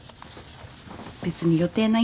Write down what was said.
別に予定ないんで。